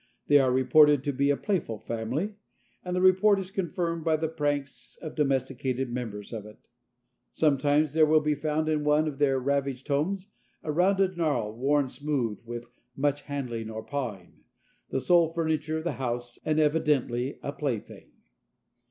They are reported to be a playful family, and the report is confirmed by the pranks of domesticated members of it. Sometimes there will be found in one of their ravaged homes a rounded gnarl worn smooth with much handling or pawing, the sole furniture of the house and evidently a plaything.